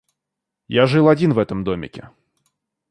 Я жил один в этом домике.